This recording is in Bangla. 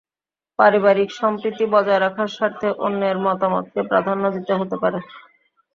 পারিবারিক সম্প্রীতি বজায় রাখার স্বার্থে অন্যের মতামতকে প্রাধান্য দিতে হতে পারে।